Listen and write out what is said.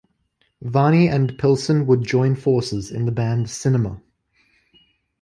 Varney and Pilson would join forces in the band Cinema.